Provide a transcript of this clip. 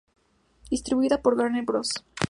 Distribuida por Warner Bros.